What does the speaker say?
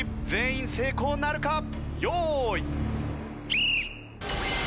全員成功なるか？